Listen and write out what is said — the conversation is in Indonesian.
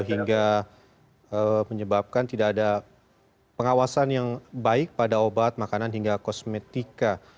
hingga menyebabkan tidak ada pengawasan yang baik pada obat makanan hingga kosmetika